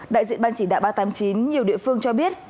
đại diện ban chỉ đạo ba trăm tám mươi chín nhiều địa phương cho biết